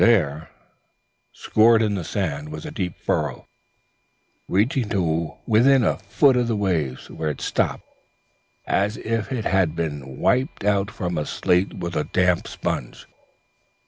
There, scored in the sand, was a deep furrow, reaching to within a foot of the waves, where it stopped as if it had been wiped out from a slate with a damp sponge.